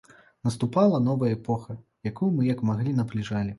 Наступала новая эпоха, якую мы як маглі набліжалі.